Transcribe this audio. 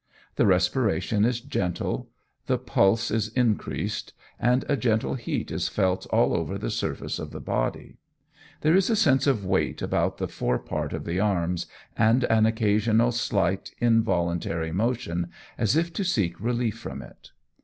The respiration is gentle, the pulse is increased, and a gentle heat is felt all over the surface of the body. There is a sense of weight about the fore part of the arms, and an occasional slight involuntary motion, as if to seek relief from it.